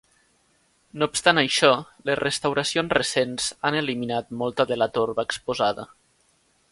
No obstant això, les restauracions recents han eliminat molta de la torba exposada.